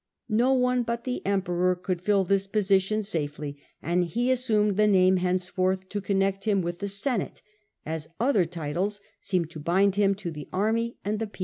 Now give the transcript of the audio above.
No one but the Emperor could fill this position safely, and he assumed the name henceforth to connect him with the Senate, as other titles seemed to bind him to the army and the people.